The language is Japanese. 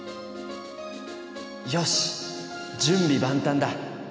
よし準備万端だ！